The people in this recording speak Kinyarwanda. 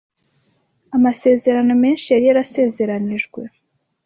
Amasezerano menshi yari yarasezeranijwe.